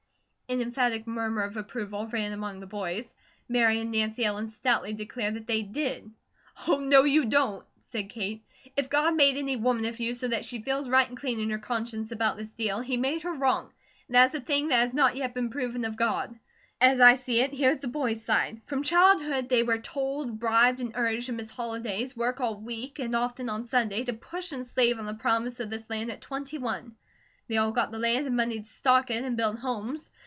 An emphatic murmur of approval ran among the boys, Mary and Nancy Ellen stoutly declared that they did. "Oh, no, you don't!" said Kate. "If God made any woman of you so that she feels right and clean in her conscience about this deal, he made her WRONG, and that is a thing that has not yet been proven of God. As I see it, here is the boys' side: from childhood they were told, bribed, and urged to miss holidays, work all week, and often on Sunday, to push and slave on the promise of this land at twenty one. They all got the land and money to stock it and build homes.